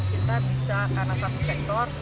kita bisa karena satu sektor